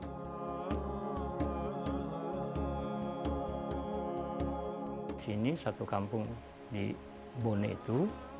di sini satu kampung di bone itu